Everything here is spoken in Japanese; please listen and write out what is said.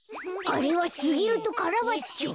あれはすぎるとカラバッチョ。